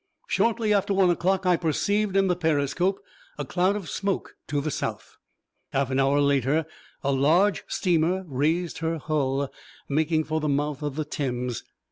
Shortly after one o'clock I perceived in the periscope a cloud of smoke to the south. Half an hour later a large steamer raised her hull, making for the mouth of the Thames.